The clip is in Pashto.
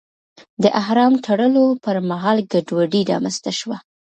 د احرام تړلو پر مهال ګډوډي رامنځته شوه.